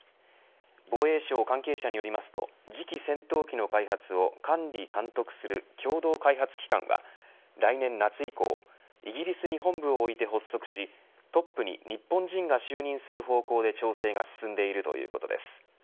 防衛省関係者によりますと次期戦闘機の開発を管理、監督する共同開発機関は来年夏以降イギリスに本部を置いて発足しトップに日本人が就任する方向で調整が進んでいるということです。